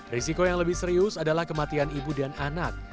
risiko yang lebih serius adalah kematian ibu dan anak